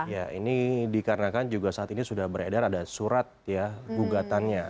ya ini dikarenakan juga saat ini sudah beredar ada surat ya gugatannya